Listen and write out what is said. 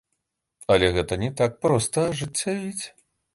Але гэта не так проста ажыццявіць.